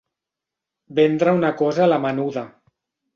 Vendre una cosa a la menuda.